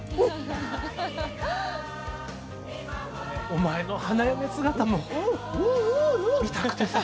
お前の花嫁姿も見たくてさ。